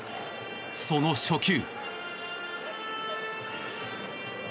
その初球。